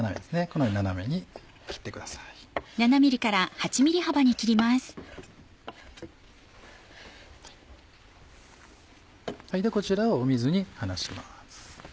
こちらを水に放します。